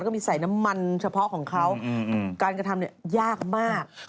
ก็มีใส่น้ำมันเฉพาะของเขาการกระทำยากมาก